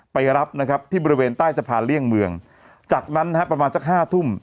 ไปรับนะครับที่บริเวณใต้สะพานเลี่ยงเมืองจากนั้นนะฮะประมาณสักห้าทุ่ม